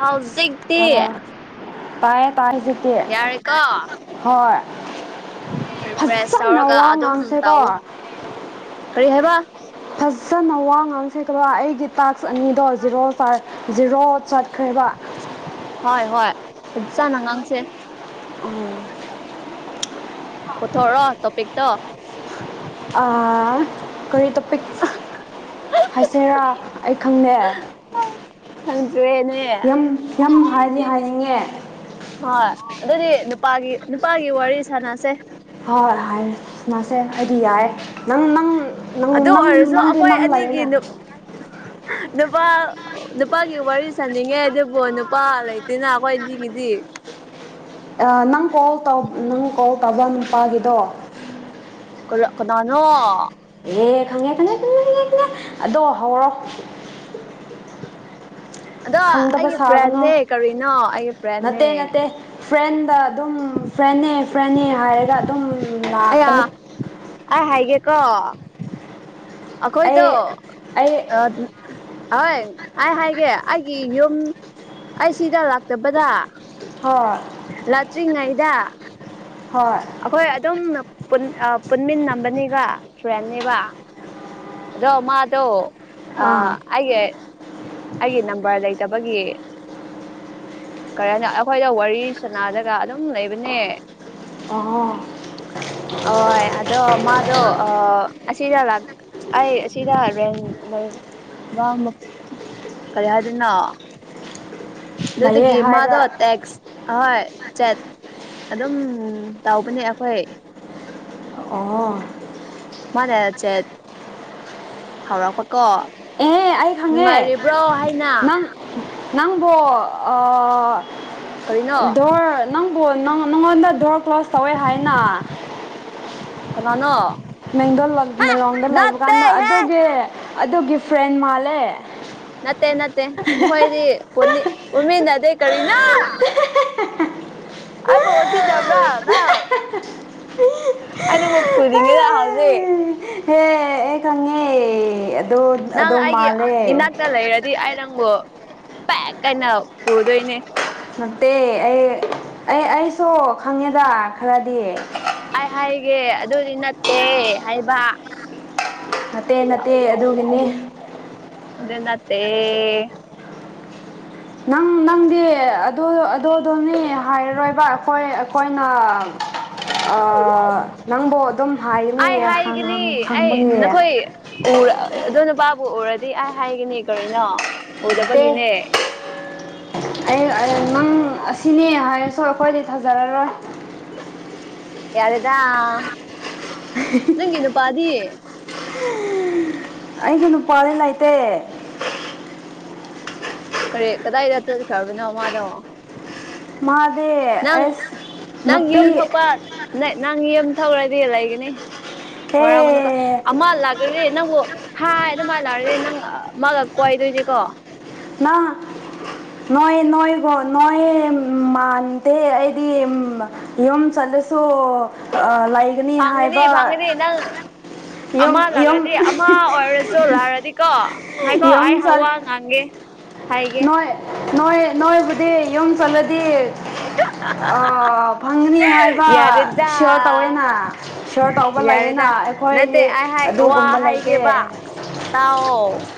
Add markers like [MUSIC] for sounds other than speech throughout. ꯍꯧꯖꯤꯛꯇꯤ ꯇꯥꯏꯁꯇ ꯌꯥꯔꯦꯀꯣ ꯍ ꯔꯤꯐ꯭ꯔꯦꯁ ꯇꯧꯔꯒ ꯋꯥ ꯑꯗꯨꯝ ꯉꯥꯡꯁꯦꯀꯣ ꯇꯥꯛꯑꯣ ꯀꯔꯤ ꯍꯥꯏꯕ ꯐꯖꯅ ꯋꯥ ꯉꯥꯡꯁꯤꯕ ꯑꯩꯒꯤ ꯇꯥꯛꯁ ꯑꯅꯤꯗꯣ ꯖꯤꯔꯣ ꯖꯤꯔꯣ ꯆꯠ ꯈ꯭ꯔꯕ ꯍꯣꯏ ꯍꯣꯏ ꯐꯖ ꯆꯥꯅ ꯉꯥꯡꯁꯦ ꯎꯝ ꯄꯨꯊꯣꯛꯔꯣ ꯇꯣꯄꯤꯛꯇꯣ ꯑꯥ ꯀꯔꯤ ꯛ ꯍꯥꯏꯁꯦꯔꯥ ꯑꯩ ꯈꯪꯉꯦ ꯌꯦꯅꯦ ꯍꯥꯏꯗꯤ ꯍꯥꯏꯅꯤꯡꯉꯦ ꯍꯣꯏ ꯑꯗꯨꯗꯤ ꯅꯨꯄꯥꯒꯤ ꯅꯨꯄꯥꯒꯤ ꯋꯥꯔꯤ ꯁꯥꯟꯅꯁꯦ ꯍꯣꯏ ꯍꯥꯏꯔꯦꯅꯥꯁꯦ ꯑꯩꯗꯤ ꯌꯥꯔꯦ ꯅꯪ ꯅꯪ ꯅꯪ ꯑꯗꯨ ꯅꯪ ꯑꯣꯏꯔꯁꯨ ꯅꯪꯒꯤ ꯑꯩꯈꯣꯏ ꯅꯪ ꯑꯅꯤꯒꯤ ꯂꯩꯅ ꯅꯨꯄꯥ ꯅꯨꯄꯥꯒꯤ ꯋꯥꯔꯤ ꯁꯥꯅꯤꯡꯉꯦ ꯑꯗꯨꯕꯨ ꯅꯨꯄꯥ ꯂꯩꯇꯦꯅ ꯑꯩꯈꯣꯏꯗꯤꯒꯤꯗꯤ ꯅꯪ ꯀꯣꯜ ꯅꯪ ꯀꯣꯜ ꯇꯧꯕ ꯅꯨꯄꯥꯒꯤꯗꯣ ꯅꯅꯣ ꯑꯦ ꯈꯪꯉꯦ ꯈꯪꯉꯦ ꯈꯪꯉꯦ ꯈꯪꯉꯦ ꯈꯪꯉꯦ ꯑꯗꯣ ꯍꯧꯥꯎꯔꯣ ꯑꯗꯣ ꯈꯪꯗꯕ ꯑꯩꯒꯤ ꯁꯥꯕꯅꯣ ꯐ꯭ꯔꯦꯟꯅꯦ ꯀꯔꯤꯅꯣ ꯑꯩꯒꯤ ꯐ꯭ꯔꯦꯟꯅꯦ ꯅꯠꯇꯦ ꯅꯠꯇꯦ ꯐ꯭ꯔꯦꯟ ꯗ ꯑꯗꯨꯝ ꯐ꯭ꯔꯦꯟꯅꯦ ꯐ꯭ꯔꯦꯟꯅꯦ ꯍꯥꯏꯔꯒ ꯑꯗꯨꯝ ꯂꯥꯛꯄꯅꯤ ꯑ ꯍꯥꯏꯒꯦꯀꯣ ꯑꯩꯈꯣꯏꯗꯣ ꯑꯩ ꯑꯩ ꯑ ꯑꯩ ꯍꯥꯏꯒꯦ ꯑꯩꯒꯤ ꯌꯨꯝ ꯑꯩ ꯁꯤꯗ ꯂꯥꯛꯇꯕꯗ ꯍꯣꯏ ꯂꯥꯇ꯭ꯔꯤꯉꯩꯗ ꯍꯣꯏ ꯑꯩꯈꯣꯏ ꯑꯗꯨꯝ ꯄꯨꯟꯃꯤꯟꯅꯝꯕꯅꯤꯒ ꯐ꯭ꯔꯦꯟꯦꯕ ꯑꯗꯣ ꯃꯥꯗꯣ ꯑ ꯑꯥ ꯍꯥꯏꯦ ꯑꯩꯒꯤ ꯅꯝꯕꯔ ꯂꯩꯇꯕꯒꯤ ꯀꯔ ꯑꯩꯈꯣꯏꯗ ꯋꯥꯔꯤ ꯁꯅꯥꯗꯒ ꯑꯗꯨꯝ ꯂꯩꯕꯅꯦ ꯑꯣ ꯍ ꯑꯗꯣ ꯃꯥꯗꯣ ꯑꯁꯤꯗ ꯂ ꯑꯩ ꯑꯁꯤꯗ ꯔꯦꯟ ꯂꯩ ꯃꯥ ꯀꯔꯤ ꯍꯥꯏꯗꯣꯏꯅꯣ ꯂꯩꯌꯦ ꯅꯇꯒꯤꯦ ꯍꯥꯏꯕ ꯃꯥꯗ ꯑꯦꯁ ꯍꯣꯏ ꯆꯠ ꯑꯗꯨꯝ ꯇꯧꯕꯅꯦ ꯑꯩꯈꯣꯏ ꯑꯣ ꯃꯥꯅꯦꯔ ꯆꯦꯠ ꯍꯧꯥꯎꯔꯛꯄ ꯀꯣ ꯑꯦ ꯑꯩ ꯈꯪꯉꯦ ꯅꯪ ꯅꯪꯕꯨꯣ ꯀꯔꯤꯅꯣ ꯗꯣꯔ ꯅꯪ ꯑꯗꯨꯕꯨ ꯅꯉꯣꯟꯗ ꯗꯣꯔ ꯀ꯭ꯂꯣꯁ ꯇꯧꯋꯦ ꯍꯥꯏꯅ ꯀꯅꯥꯅꯣ ꯦꯡꯗꯣꯜꯃꯦꯂꯣꯡꯗ ꯂꯩꯕ ꯀꯥꯟꯗ ꯅꯠꯇꯦꯍꯦ ꯑꯗꯨꯒꯤ ꯑꯗꯨꯒꯤ ꯐ꯭ꯔꯦꯟ ꯃꯥꯜꯂꯦ ꯅꯠꯇꯦ ꯅꯠꯇꯦ ꯃꯈꯣꯏꯗꯤ ꯄꯨꯅꯤ ꯎꯃꯤ ꯅꯗꯦ ꯀꯔꯤꯅꯥ ꯑꯩ ꯁꯤ ꯕ꯭ꯔꯥ ꯅ ꯍꯦ ꯑꯅ ꯃ ꯄꯨꯗꯤꯉꯗ ꯑꯗꯦ ꯑꯩ ꯀꯉꯦ ꯅꯪ ꯑꯩꯒꯤ ꯏꯅꯥꯛꯇ ꯂꯩꯔꯗꯤ ꯑꯩ ꯅꯪꯕꯨ ꯄꯥꯛ ꯀꯩꯅ ꯐꯨꯗꯣꯏꯅꯦ ꯅꯠꯇꯦ ꯑꯩ ꯑꯩ ꯑꯩꯁꯨ ꯈꯪꯉꯦꯗ ꯈꯔꯗꯤ ꯑꯩ ꯍꯥꯏꯒꯦ ꯑꯗꯨꯗꯤ ꯅꯠꯇꯦ ꯍꯥꯏꯕ ꯅꯠꯇꯦ ꯅꯠꯇꯦ ꯑꯗꯨꯒꯤꯅꯦ ꯑꯗꯨ ꯅꯠꯇꯦ ꯅꯪ ꯅꯪꯗꯤ ꯑꯗꯣ ꯑꯗꯣꯗꯣꯅꯤ ꯍꯥꯏꯔꯔꯣꯏꯕ ꯑꯈꯣꯏ ꯑꯈꯣꯏꯅ ꯑ ꯅꯪꯕꯨ ꯑꯗꯨꯝ ꯑꯩ ꯍꯥꯏꯒꯅꯤꯌꯦ ꯍꯪ ꯍꯪ ꯍꯥꯏꯒꯅꯤ ꯑꯩ ꯍꯪꯕꯒꯤ ꯅꯈꯣꯏ ꯎꯔ ꯑ ꯑꯗꯣ ꯅꯨꯄꯥꯕꯨ ꯎꯔꯗꯤ ꯑꯩ ꯍꯥꯏꯒꯅꯤ ꯀꯔꯤꯅꯣ ꯅꯠꯇꯦ ꯎꯗꯕꯒꯤꯅꯦ ꯑꯩ ꯅꯪ ꯑꯁꯤꯅꯦ ꯍꯥꯏꯔꯁꯨ ꯑꯈꯣꯏꯗꯤ ꯐꯖꯔꯔꯣꯏ ꯌꯥꯔꯦꯗ ꯅꯪꯒꯤ ꯅꯨꯄꯥꯗꯤ ꯑꯩꯒꯤ ꯅꯨꯄꯥꯗꯤ ꯂꯩꯇꯦ ꯀꯔꯤ ꯀꯗꯥꯏꯗ ꯆꯠꯈ꯭ꯔꯕꯅꯣ ꯃꯥꯗꯣ ꯃꯥꯗꯤ ꯅꯪ ꯑꯁ ꯅꯪ ꯅꯨꯄꯤ ꯌꯨꯝ ꯊꯣꯛꯄ ꯅꯪ ꯌꯨꯝ ꯊꯧꯔꯗꯤ ꯂꯩꯒꯅꯤ ꯋꯥꯔꯧꯒꯅꯨꯀꯣ ꯑꯦ ꯑꯃ ꯂꯥꯛꯔꯗꯤ ꯅꯪꯕꯨ ꯍ ꯑꯗꯨꯃꯥꯏꯅ ꯂꯔꯗꯤ ꯅꯪ ꯃꯥꯒ ꯀꯣꯏꯗꯣꯏꯅꯦꯀꯣ ꯅꯪ ꯅꯣꯏ ꯅꯣꯏꯒꯣ ꯅꯣꯏ ꯃꯥꯟꯗꯦ ꯑꯩꯗꯤ ꯑꯝ ꯌꯨꯝ ꯆꯠꯂꯦ ꯁꯨ ꯑ ꯂꯩꯒꯅꯤ ꯐꯪꯒꯅꯤ ꯍꯥꯏꯕ ꯐꯪꯒꯅꯤ ꯅꯪ ꯌꯨꯝ ꯑꯃ ꯌꯨꯝ ꯂꯥꯛꯔꯗꯤ ꯑꯃ ꯑꯣꯏꯔꯁꯨ ꯂꯥꯛꯔꯗꯤꯀꯣ ꯉꯥꯏꯈꯣ ꯌꯨꯝ ꯑꯩ ꯆꯠ ꯋꯥ ꯉꯥꯡꯒꯦ ꯍꯥꯏꯒꯦ ꯅꯣꯏ ꯅꯣꯏ ꯅꯣꯏꯕꯨꯗꯤ ꯌꯨꯝ ꯆꯠꯂꯗꯤ ꯑ ꯐꯪꯒꯅꯤ ꯍꯥꯏꯕ ꯁꯤꯌꯣꯔ ꯌꯥꯔꯦꯗ ꯇꯧꯋꯦꯅ ꯁꯤꯌꯣꯔ ꯇꯧꯕ ꯂꯩꯌꯦꯅ ꯌꯥꯔꯦꯗ ꯅꯠꯇꯦ ꯑꯩꯈꯣꯏꯗꯤ ꯑꯩ ꯍꯥꯏ ꯋꯥ ꯑꯗꯨꯒꯨꯝꯕ ꯂꯩꯇꯦ ꯍꯥꯏꯒꯦꯕ ꯇꯥꯎꯑꯣ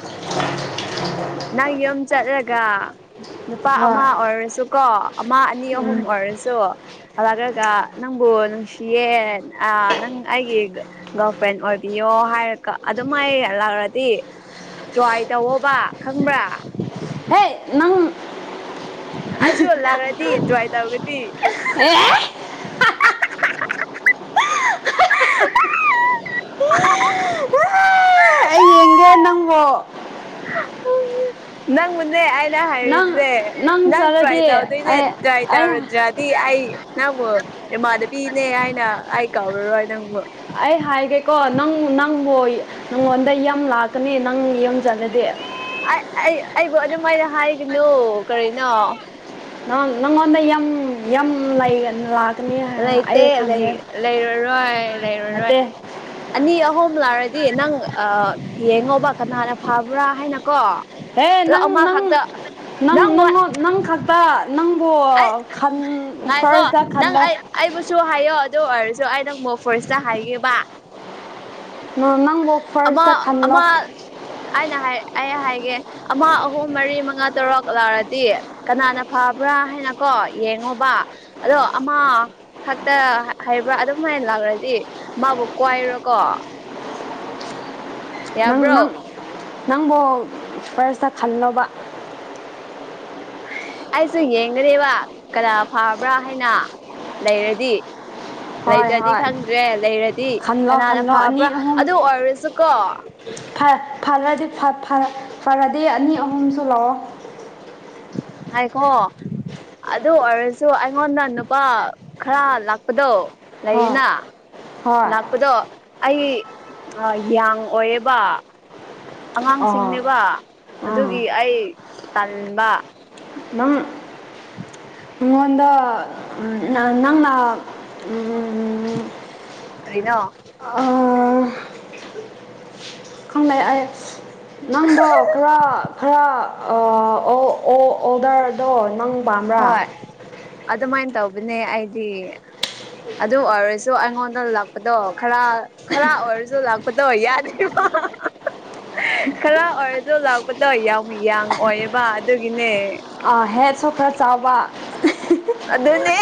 ꯀꯅꯥ ꯅꯨꯄꯥ ꯍꯣꯏ ꯑꯃ ꯑꯣꯏꯔꯁꯨꯀꯣ ꯑꯃ ꯑꯅꯤ ꯑꯍꯨꯝ ꯑꯣꯏꯔꯁꯨ ꯍꯜꯔꯛꯔꯒ ꯅꯪꯕꯨ ꯅꯨꯡꯁꯤꯌꯦ ꯑ ꯅꯪ ꯑꯩꯒꯤ ꯒꯔꯜ ꯐ꯭ꯔꯦꯟ ꯑꯣꯏꯕꯤꯌꯣ ꯑꯣ ꯍꯥꯏꯔꯒ ꯑꯗꯨꯝꯥꯏ ꯂꯥꯛꯔꯗꯤ ꯇ꯭ꯔꯥꯏ ꯇꯧꯋꯣꯕ ꯈꯪꯕ꯭ꯔꯥ ꯍꯦ ꯅꯪ ꯑꯩꯁꯨ ꯂꯥꯛꯔꯗꯤ ꯇ꯭ꯔꯥꯏ ꯇꯧꯒꯗꯤ ꯑꯦ ꯑꯩ ꯌꯦꯡꯒꯦ ꯅꯪꯕꯣ ꯅꯪ ꯕꯨꯅꯦ ꯑꯩꯅ ꯅꯪ ꯍꯥꯏꯔꯤꯁꯦ ꯅꯪ ꯇ꯭ꯔꯥꯏ ꯆꯠꯂꯗꯤ ꯇꯧꯗꯣꯏꯅꯦ ꯑꯩ ꯇ꯭ꯔꯥꯏ ꯑꯩ ꯇꯧꯔꯗ꯭ꯔꯗꯤ ꯑꯩ ꯅꯪꯕꯨ ꯏꯃꯥꯗꯕꯤꯅꯦ ꯍꯥꯏꯅ ꯑꯩ ꯀꯥꯎꯔꯔꯣꯏ ꯅꯪꯕꯨ ꯑꯩ ꯍꯥꯏꯒꯦꯀꯣ ꯅꯪ ꯅꯪ ꯍꯣꯏ ꯅꯪꯉꯣꯟꯗ ꯌꯝ ꯂꯥꯛꯀꯅꯤ ꯅꯪ ꯌꯨꯝ ꯆꯠꯂꯗꯤ ꯑꯩ ꯑꯩꯕꯨ ꯑꯗꯨꯃꯥꯏꯅ ꯍꯥꯏꯒꯅꯨ ꯀꯔꯤꯅꯣ ꯅꯪꯉꯣꯟꯗ ꯌꯝ ꯌꯝ ꯂꯩꯒ ꯂꯥꯛ ꯂꯩꯇꯦ ꯂꯩꯔꯔꯣꯏ ꯂꯩꯔꯔꯣꯏ ꯅꯠꯇꯦ ꯑꯅꯤ ꯑꯍꯨꯝ ꯂꯥꯛꯔ ꯗꯤ ꯅꯪ ꯑ ꯌꯦꯡꯉꯣꯕ ꯀꯅꯥꯅ ꯐꯕ꯭ꯔꯥ ꯍꯥꯏꯅꯀꯣ ꯍꯦ ꯑꯗꯣ ꯅꯪ ꯅꯪ ꯑꯃꯈꯛꯇ ꯅꯪ ꯅꯪꯕꯨ ꯅꯪ ꯅꯪ ꯈꯛꯇ ꯅꯪꯕꯨ ꯑꯩ ꯈꯟ ꯉꯥꯏꯈꯣ ꯐꯥꯔꯁꯇ ꯅꯪ ꯈꯜꯂꯣ ꯑꯩ ꯑꯩꯕꯨꯁꯨ ꯍꯥꯏꯌꯣ ꯑꯗꯨ ꯑꯣꯏꯔꯁꯨ ꯑꯩ ꯅꯪꯕꯨ ꯐꯣꯔꯁꯇ ꯍꯥꯏꯒꯦ ꯕ ꯅꯪꯕꯨ ꯑꯃ ꯐꯥꯔꯁꯇ ꯈꯜꯂꯣ ꯑꯃ ꯑꯩꯅ ꯍꯥꯏ ꯑꯩ ꯍꯥꯏꯒꯦ ꯑꯃ ꯑꯍꯨꯝ ꯃꯔꯤ ꯃꯉꯥ ꯇꯔꯛ ꯂꯥꯛꯔꯗꯤ ꯀꯅꯥꯅ ꯐꯕ꯭ꯔꯥ ꯍꯥꯏꯅꯀꯣ ꯌꯦꯡꯉꯣꯕ ꯑꯗꯣ ꯑꯃ ꯈꯛꯇ ꯍꯥꯏꯕ꯭ꯔꯥ ꯑꯗꯨꯝꯍꯥꯏꯅ ꯂꯥꯛꯔꯗꯤ ꯃꯥꯕꯨ ꯀ꯭ꯋꯥꯏꯔꯣꯀꯣ ꯅꯪ ꯌꯥꯕ꯭ꯔꯣ ꯅꯪ ꯅꯪꯕꯨ ꯐꯔꯁꯇ ꯈꯜꯂꯣꯕ ꯑꯩꯁꯨ ꯌꯦꯡꯒꯅꯤꯕ ꯀꯅꯥ ꯐꯕ꯭ꯔꯥ ꯍꯥꯏꯅ ꯂꯩꯔꯗꯤ [INAUDIBLE] ꯂꯩꯇ꯭ꯔꯗꯤ ꯈꯪꯗ꯭ꯔꯦ ꯂꯩꯔꯗꯤ ꯈꯜꯂꯣ ꯀꯅꯥꯅ ꯈꯜꯂꯣ ꯐꯕ꯭ꯔꯥ ꯑꯅꯤ ꯑꯍꯨꯝ ꯑꯗꯨ ꯑꯣꯏꯔꯁꯨꯀꯣ ꯐꯔꯗꯤ ꯐꯔꯗꯤ ꯑꯅꯤ ꯑꯍꯨꯝꯁꯨ ꯂꯥꯛꯑꯣ ꯍꯥꯏꯀꯣ ꯑꯗꯨ ꯑꯣꯏꯔꯁꯨ ꯑꯩꯉꯣꯟꯗ ꯅꯨꯄꯥ ꯈꯔ ꯂꯥꯛꯄꯗꯣ ꯍꯣꯏ ꯂꯩꯌꯦꯅ ꯍꯣꯏ ꯂꯥꯛꯄꯗꯣ ꯑꯩ ꯑ ꯌꯥꯡ ꯑꯣꯏꯌꯦꯕ ꯑꯣ ꯑꯉꯥꯡꯁꯤꯡꯅꯦꯕ ꯑꯥ ꯑꯗꯨꯒꯤ ꯑꯩ ꯇꯟꯕ ꯅꯪ ꯃꯤꯉꯣꯟꯗ ꯅꯪ ꯀꯔꯤꯅ ꯈꯪꯅ ꯑ ꯅꯪꯗꯣ ꯈꯔ ꯈꯔ ꯑꯣ ꯑꯣ ꯑꯣꯗꯔ ꯑꯗꯣ ꯅꯪ ꯄꯥꯝꯕ꯭ꯔꯥ ꯅꯦ ꯑꯩꯗꯤ ꯑꯗꯨ ꯑꯣꯏꯔꯁꯨ ꯑꯩꯉꯣꯟꯗ ꯂꯥꯛꯄꯗꯣ ꯈꯔ ꯈꯔ ꯑꯣꯏꯔꯁꯨ ꯂꯥꯛꯄꯗ ꯌꯥꯗꯦ ꯈꯔ ꯑꯣꯏꯔꯁꯨ ꯂꯥꯛꯄꯗꯣ ꯌꯥꯝ ꯌꯥꯡ ꯑꯣꯏꯑꯕ ꯑꯗꯨꯒꯤꯅꯦ ꯑ ꯍꯦꯠꯁꯨ ꯈꯔ ꯆꯥꯎꯕ ꯑꯗꯨꯅꯦ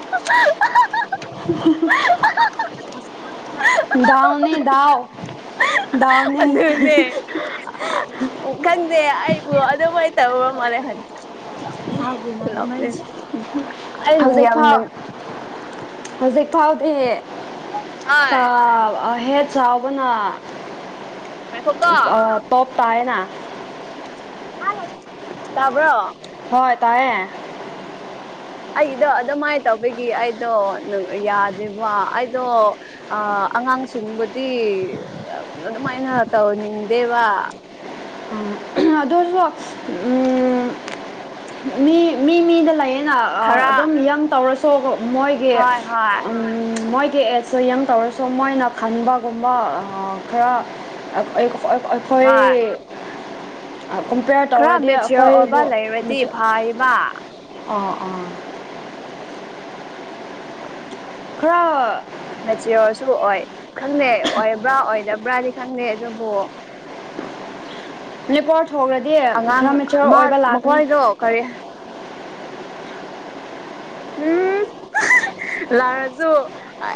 [INAUDIBLE] ꯎꯅꯤꯗꯥꯎ ꯑꯗꯨꯅꯦ ꯈꯪꯗꯦ ꯑꯩꯕꯨ ꯑꯗꯨꯃꯥꯏ ꯇꯧ ꯃꯔ ꯍꯟ ꯑꯅꯤꯡ ꯌꯥ ꯌꯥꯝ ꯅꯪ ꯍꯧꯖꯤꯛ ꯐꯥꯎꯥꯎꯗ ꯍꯣꯏ ꯐꯥꯎ ꯍꯦ ꯆꯥꯎꯕꯅ ꯉꯥꯏꯈꯣꯀꯣ ꯇꯣꯞ ꯇꯥꯏꯌꯦꯅ ꯇꯥꯕ꯭ꯔꯣ ꯍꯣꯏ ꯇꯥꯏꯌꯦ ꯑꯩꯗꯣ ꯑꯗꯨꯃꯥꯏꯅ ꯇꯧꯕꯒꯤ ꯑꯩꯗꯣ ꯌꯥꯗꯦꯕ ꯑꯩꯗꯣ ꯑ ꯑꯉꯥꯡꯁꯤꯡꯕꯨꯗꯤ ꯑꯗꯨꯃꯥꯏꯅ ꯇꯧꯍꯟꯅꯤꯡꯗꯦꯕ ꯑꯗ ꯐ ꯃꯤ ꯃꯤ ꯃꯤꯗ ꯂꯥꯏꯌꯦ ꯑꯩꯅ ꯈꯔ ꯑꯗꯨꯝ ꯌꯪ ꯇꯧꯔꯁꯨ ꯃꯣꯏꯒꯤ ꯍꯣꯏ ꯍꯣꯏ ꯃꯣꯏꯒꯤ ꯑꯦꯖ ꯁꯣꯏ ꯌꯪ ꯇꯧꯔꯁꯨ ꯃꯣꯏꯅ ꯈꯟꯕꯒꯨꯝꯕ ꯈꯔ ꯑꯩꯈꯣꯏ ꯍꯣꯏ ꯀꯝꯄꯤꯦꯌꯔ ꯈꯔ ꯇꯧꯔꯗꯤ ꯃꯦꯆꯤꯌꯣꯔ ꯑꯣꯏꯕ ꯑꯩꯈꯣꯏꯕꯨ ꯃ ꯂꯩꯔꯗꯤ ꯐꯩꯕ ꯑꯥ ꯑꯥ ꯍꯔꯣ ꯃꯆꯤꯣꯁꯨ ꯑꯣꯏ ꯈꯪꯗꯦ ꯑꯣꯏꯕ꯭ꯔꯥ ꯑꯣꯏꯗꯕ꯭ꯔꯥꯗꯤ ꯈꯪꯗꯦ ꯑꯗꯨꯕꯨ ꯃꯅꯤꯄꯣꯔ ꯊꯣꯡ꯭ꯔꯗꯤ ꯑꯉꯥꯡ ꯈꯔ ꯃꯦꯆꯣꯔ ꯃꯥ ꯑꯣꯏꯕ ꯂꯥꯛꯀꯅꯤ ꯃꯈꯣꯏꯗꯣ ꯀꯔꯤ ꯎꯝ ꯂꯥꯖꯨ ꯑ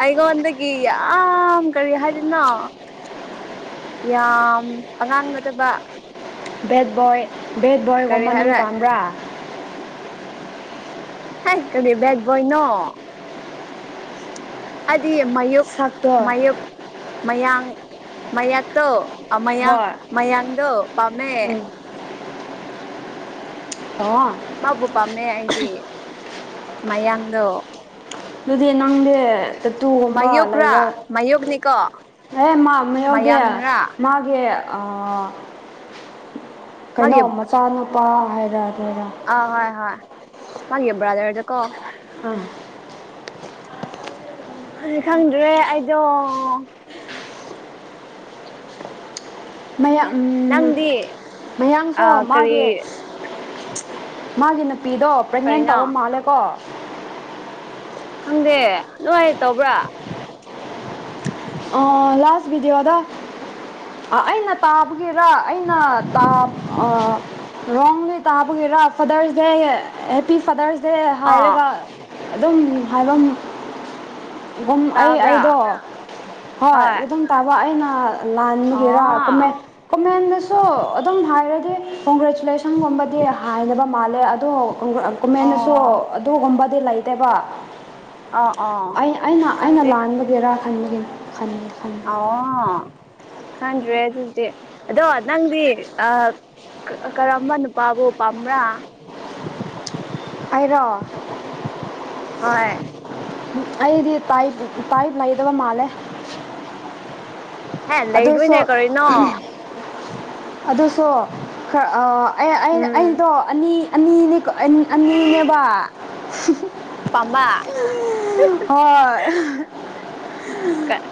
ꯑꯩꯒꯣꯟꯗꯗꯒꯤ ꯌꯥꯝ ꯀꯔꯤ ꯍꯥꯏꯅꯣ ꯌꯥꯝ ꯑꯉꯥꯡ ꯅꯠꯇꯕ ꯕꯦꯠ ꯕꯣꯏ ꯕꯦꯠ ꯀꯔꯤ ꯕꯣꯏꯒꯨꯝꯕ ꯅꯪ ꯍꯥꯏꯕ꯭ꯔꯥ ꯄꯥꯝꯕ꯭ꯔꯥ ꯍꯥꯏ ꯀꯔꯤ ꯦꯠ ꯣꯏꯅꯣ ꯍꯥꯏꯗꯤ ꯃꯌꯣꯛ ꯁꯛꯇꯣ ꯃꯌꯣꯛ ꯃꯌꯥꯡ ꯃꯌꯥꯛꯇꯣ ꯃꯌꯥꯡ ꯍꯣꯏ ꯃꯌꯥꯡꯗꯣ ꯄꯥꯝꯃꯦ ꯎꯝ ꯑꯣ ꯃꯥꯕꯨ ꯄꯥꯝꯃꯦ ꯑꯩꯗꯤ ꯃꯌꯥꯡꯗꯣ ꯑꯗꯨꯗꯤ ꯅꯪꯗꯤ ꯇꯠꯇꯨꯒꯣꯕ ꯂꯩꯕ ꯃꯌꯨꯛꯔꯥ ꯃꯌꯨꯛꯅꯤꯀꯣ ꯑꯦ ꯃꯥ ꯑꯃ ꯌꯥꯎꯗꯦ ꯃꯌꯥꯡꯔꯥ ꯃꯥꯒꯤ ꯀꯩꯅꯣ ꯃꯆꯥꯅꯨꯄꯥ ꯍꯥꯏꯔ ꯑꯗꯨꯔ ꯑ ꯍꯣꯏ ꯍꯣꯏ ꯃꯥꯒꯤ ꯌꯕ꯭ꯔꯥꯗꯔꯖꯀꯣ ꯑꯥ ꯍꯧꯖꯤ ꯈꯪꯗ꯭ꯔꯦ ꯑꯩꯗꯣ ꯃꯌꯥ ꯅꯪꯗꯤ ꯃꯌꯥꯡꯁꯨ ꯑꯥ ꯃꯥꯒꯤ ꯀꯔꯤ ꯃꯥꯒꯤ ꯅꯨꯄꯤꯗꯣ ꯄ꯭ꯔꯦꯒꯅꯦꯟ ꯇꯧꯕ ꯀꯔꯤꯅꯣ ꯃꯥꯜꯂꯦꯀꯣ ꯈꯪꯗꯦ ꯂꯣꯏꯥꯏꯔ ꯇꯧꯕ꯭ꯔꯥ ꯂꯥꯁ ꯕꯤꯗꯤ ꯑꯗ ꯑꯩꯅ ꯇꯥꯕꯒꯤꯔꯥ ꯑꯩꯅꯥ ꯔꯣꯡꯂꯤ ꯇꯥꯕꯒꯤꯦꯔꯥ ꯐꯥꯗꯔꯁ ꯗꯦ ꯍꯦꯞꯄꯤ ꯐꯥꯗꯔꯁ ꯁꯦ ꯑꯥ ꯍꯥꯏꯔꯒ ꯑꯗꯨꯝ ꯍꯥꯏꯐꯝ ꯑꯗꯨꯨꯝ ꯑꯩ ꯑꯩꯗꯣ ꯇꯥꯕ꯭ꯔꯥ ꯍꯣꯏ ꯎꯝ ꯇꯥꯕ ꯑꯩꯅ ꯂꯥꯟꯕꯒꯦꯔꯥ ꯀꯣꯃꯦꯟ ꯑꯣ ꯀꯣꯃꯦꯟꯗꯁꯨ ꯑꯗꯨꯝ ꯍꯥꯏꯔꯗꯤ ꯀꯣꯡꯒ꯭ꯔꯦꯆꯨꯂꯦꯁꯟꯒꯨꯝꯕꯗꯤ ꯍꯥꯏꯅꯕ ꯃꯥꯜꯂꯦ ꯑꯗꯣ ꯀꯨꯃꯦꯟꯅꯁꯨ ꯑꯣ ꯑꯗꯨꯒꯨꯝꯕꯗꯤ ꯂꯩꯇꯦꯕ ꯑꯣ ꯑꯣ ꯑꯩ ꯑꯩꯅ ꯑꯩꯅ ꯂꯥꯟꯕꯒꯤꯦꯔꯥ ꯈꯟꯕꯒꯤ ꯑ ꯈꯥꯟ꯭ꯔꯦ ꯑꯗꯨꯗꯤ ꯑꯗꯣ ꯅꯪꯗꯤ ꯑ ꯀꯔꯝꯕ ꯅꯨꯄꯥꯕꯨ ꯄꯥꯝꯕ꯭ꯔꯥ [INAUDIBLE] ꯍꯥꯏꯔꯣ ꯍꯣꯏ ꯑꯩꯗꯤ ꯇꯥꯏꯕꯨ ꯇꯥꯏ ꯂꯥꯏꯗꯕ ꯃꯥꯂꯦ ꯍꯦ ꯂꯩꯗꯣꯏꯅꯦ ꯀꯔꯅꯣ ꯑꯗꯨꯁꯨ ꯈꯔ ꯎꯝ ꯑꯩꯗꯣ ꯑꯅꯤ ꯑꯅꯤꯅꯤ ꯑꯅꯤꯅꯦꯕ ꯄꯥꯝꯕ ꯍ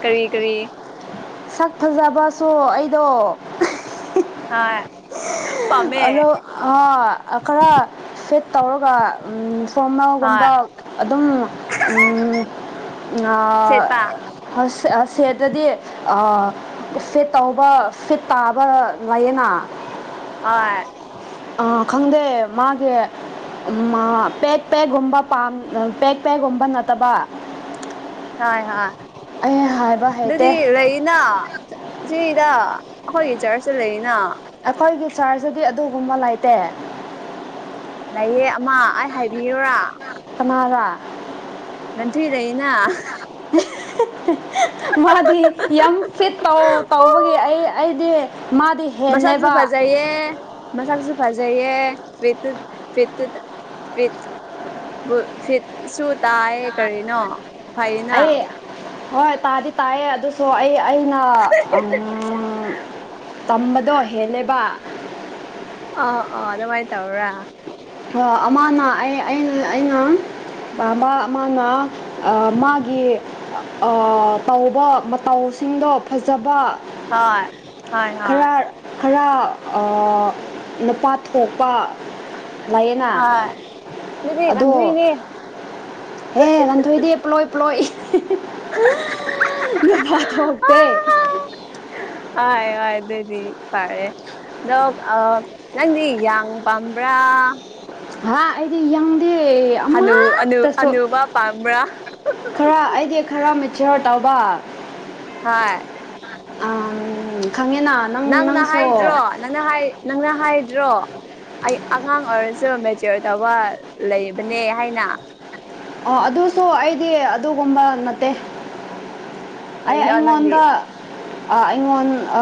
ꯀꯔꯤ ꯀꯔꯤ ꯁꯛ ꯐꯖꯕꯁꯨ ꯑꯩꯗꯣ ꯍꯥ ꯍꯜꯂꯣ ꯈꯔ ꯐꯦꯠ ꯇꯧꯔꯒ ꯎ ꯍꯣꯏ ꯁꯣꯃꯒꯨꯝꯕ ꯑꯗꯨꯝ ꯁꯦꯠꯄ ꯑ ꯁꯤ ꯇꯗꯤ ꯑ ꯐꯤꯠ ꯇꯧꯕ ꯐꯤꯠ ꯇꯥꯕ ꯂꯩꯌꯦꯅ ꯍ ꯑ ꯈꯪꯗꯦ ꯃꯥꯒꯤꯦ ꯄꯦꯦꯛ ꯄꯦꯛꯒꯨꯝꯕꯥ ꯄꯦꯦꯛ ꯄꯦꯒꯨꯝꯕ ꯅꯠꯇꯕ ꯍ ꯍ ꯑꯩ ꯍꯥꯏꯕ ꯍꯩꯇꯦ ꯑꯗꯨꯗꯤ ꯂꯩꯅꯥ ꯁꯤꯗ ꯍꯣꯏ ꯆꯔꯁ ꯂꯩꯔꯤꯅ ꯑꯩꯈꯣꯏꯒꯤ ꯆꯥꯔꯖꯗꯤ ꯑꯗꯨꯒꯨꯝꯕ ꯂꯩꯇꯦ ꯂꯩꯌꯦ ꯑꯃ ꯑꯩ ꯍꯥꯏꯕꯤꯔꯨꯔꯥ ꯀꯪꯂꯔꯥ ꯉꯟꯊꯨꯗꯦ ꯃꯥꯗꯤ ꯌꯥꯝ ꯐꯤꯠ ꯇꯧ ꯇꯧꯕꯒꯤ ꯑꯩ ꯑꯩꯗꯤ ꯃꯥꯗꯤ ꯍꯦꯜꯂꯦꯕ ꯃꯁꯛꯖꯨꯐꯖꯌꯦ ꯃꯁꯛ ꯆꯨꯐꯥꯖꯩꯌꯦ ꯐꯦ ꯐꯦ ꯐ ꯐ ꯁ ꯑꯩ ꯍꯣꯏ ꯇꯥꯗꯤ ꯇꯥꯏꯌꯦ ꯑꯗꯨꯁꯨ ꯑꯩ ꯑꯩꯅ ꯇꯝꯕꯗꯣ ꯍꯦꯜꯂꯦꯕ ꯑꯣ ꯑꯣ ꯑꯗꯨꯃꯥꯏꯅ ꯇꯧꯔꯥ ꯑꯃꯅ ꯑꯩ ꯑ ꯑꯩꯅ ꯃꯥꯅ ꯃꯥꯒꯤ ꯇꯧꯕ ꯃꯇꯧꯁꯤꯡꯗꯣ ꯐꯖꯕ ꯍꯣꯏ ꯍꯣꯏ ꯍꯣꯏ ꯈꯔ ꯈꯔ ꯅꯨꯄꯥ ꯊꯣꯛꯄ ꯂꯥꯛꯌꯦꯦꯅ ꯍꯣꯏ ꯑꯗꯨꯗꯤ ꯑꯗꯣ ꯒꯟꯊꯨꯏꯅꯦ ꯍꯦ ꯉꯥꯟꯊꯣꯏꯗꯤꯦ ꯄ꯭ꯂꯣꯏ ꯄ꯭ꯂꯣꯏ ꯐꯇ ꯑ ꯑꯗꯨꯗꯩꯗꯤ ꯐꯔꯦ ꯑꯗꯣ ꯅꯪꯗꯤ ꯌꯥꯡ ꯄꯥꯝꯕ꯭ꯔꯥ ꯍꯥꯥ ꯑꯩꯗꯤ ꯌꯥ ꯍꯅꯨ ꯑꯅꯨ ꯑꯅꯨꯕ ꯄꯝꯕ꯭ꯔꯥ ꯈꯔ ꯑꯩꯒꯤ ꯈꯔ ꯃꯦꯆꯌꯣꯔ ꯇꯧꯕ ꯍꯥ ꯑ ꯅꯪꯅ ꯍꯥꯏꯗ꯭ꯔꯣ ꯅꯪꯅ ꯅꯪꯅ ꯍꯥꯏꯗ꯭ꯔꯣ ꯑꯩ ꯑꯉꯥꯡ ꯑꯣꯏꯔꯁꯨ ꯃꯦꯆꯌꯣꯔ ꯇꯧꯕ ꯂꯩꯕꯅꯦ ꯍꯥꯏꯅ ꯑꯣ ꯑꯗꯨꯁꯨ ꯑꯩꯗꯤ ꯑꯗꯨꯒꯨꯝꯕ ꯅꯠꯇꯦ ꯑꯩ ꯀꯔꯤꯅꯣ ꯅꯪꯗꯤ ꯑꯩꯉꯣꯟꯗ ꯑꯩꯉꯣꯟ ꯑ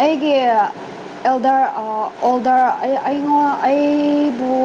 ꯑꯩꯒꯤ ꯑꯦꯜꯗꯔ ꯑꯣꯜꯗꯔ ꯑꯩ ꯑꯩꯉꯣꯟ ꯑꯩꯕꯨ